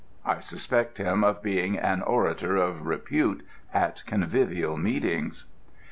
I suspect him of being an orator of repute at convivial meetings.